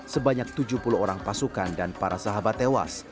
sebanyak tujuh puluh orang pasukan dan para sahabat tewas